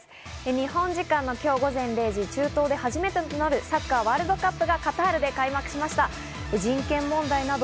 日本時間の今日午前０時、中東で初めてとなるサッカー・ワールドカップがカタールで開幕しました。